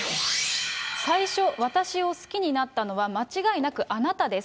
最初、私を好きになったのは間違いなくあなたです。